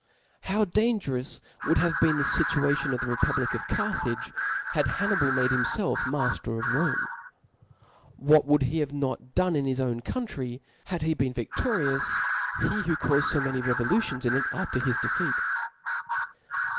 How dangerous would have been the Situation of die republic of Carthage, had Hannibal made him iclf mafter of Rome ? What would not he have /done in his own country, had he been vidoriou^^ ^e who cauied fb many revolutions in it after hi^ defeat ♦?